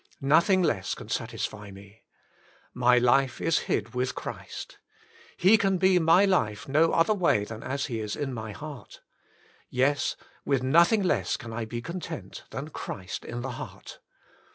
Nothing less can satisfy me. My life is hid with Christ. He can be my life n^ other way than as He is in my heart. Ye§! with nothing less can I be content than Christ in the heart.